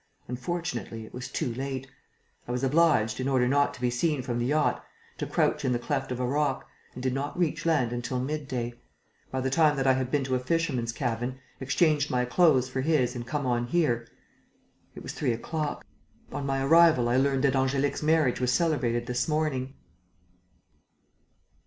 Unfortunately, it was too late. I was obliged, in order not to be seen from the yacht, to crouch in the cleft of a rock and did not reach land until mid day. By the time that I had been to a fisherman's cabin, exchanged my clothes for his and come on here, it was three o'clock. On my arrival. I learnt that Angélique's marriage was celebrated this morning."